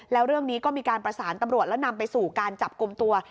แล้วเรื่องนี้ก็มีการประสานตำรวจแล้วนำไปสู่การจับกลุ่มตัว